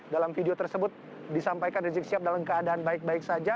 dalam video tersebut disampaikan rizik syihab dalam keadaan baik baik saja